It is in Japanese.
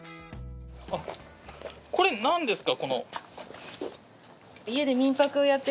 あっこれなんですか？